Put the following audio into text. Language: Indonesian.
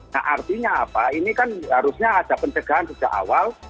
nah artinya apa ini kan harusnya ada pencegahan sejak awal